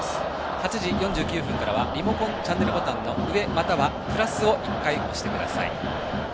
８時４９分からはリモコンのチャンネルボタン上またはプラスを１回、押してください。